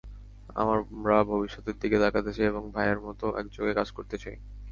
আমরা ভবিষ্যতের দিকে তাকাতে চাই এবং ভাইয়ের মতো একযোগে কাজ করতে চাই।